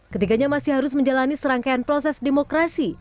ketiganya masih harus menjalani serangkaian proses demokrasi